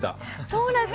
そうなんです。